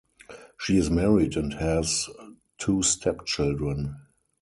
She is married and has two step children.